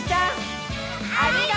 ありがとう！